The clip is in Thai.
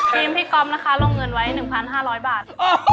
พี่ก๊อฟนะคะลงเงินไว้๑๕๐๐บาท